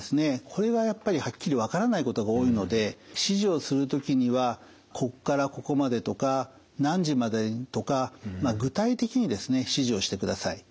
これはやっぱりはっきり分からないことが多いので指示をする時にはこっからここまでとか何時までとか具体的にですね指示をしてください。